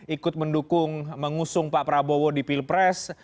ikut mendukung mengusung pak prabowo di pilpres